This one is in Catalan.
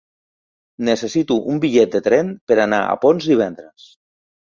Necessito un bitllet de tren per anar a Ponts divendres.